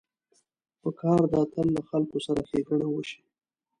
پکار ده تل له خلکو سره ښېګڼه وشي.